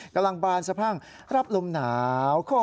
กำลังบานสะพรั่งรับลมหนาวโค่